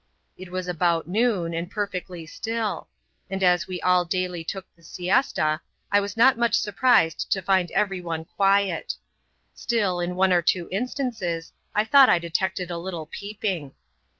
. It was about noon, and perfectly still ; and as we all daily took the siesta, I was not much surprised to find every one quiet Still, in one or two instances, I thought I detected a little peeping.